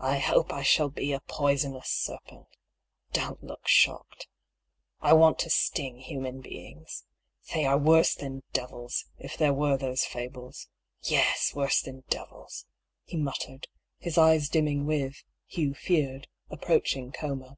I hope I shall be a poisonous serpent. Don't look shocked. I want to sting human beings. They are worse than devils, if there were those fables. Yes, worse than devils," he muttered, his eyes dimming with, Hugh feared, ap proaching coma.